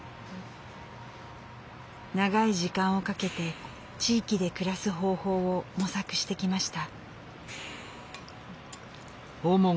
長い時間をかけて地域で暮らす方法を模索してきました。